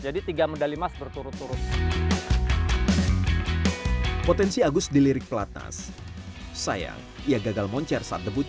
jadi tiga medali emas berturut turut